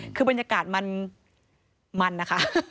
คือบรรยากาศมันนะคะ